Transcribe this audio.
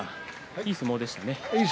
いい相撲でした。